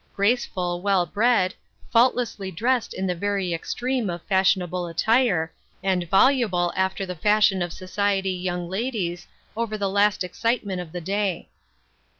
Graceful, well bred, faultlessly dressed in the very extreme of fashionable attire, and voluble after the fashion of society young ladies, over the last excitement of the day.